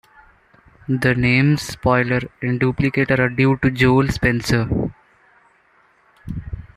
The names Spoiler and Duplicator are due to Joel Spencer.